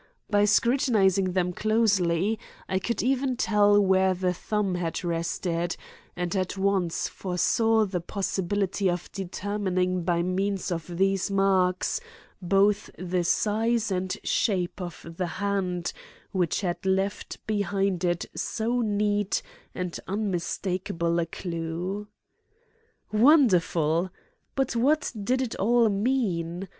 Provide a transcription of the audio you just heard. By scrutinizing them closely I could even tell where the thumb had rested, and at once foresaw the possibility of determining by means of these marks both the size and shape of the hand which had left behind it so neat and unmistakable a clue. Wonderful! but what did it all mean?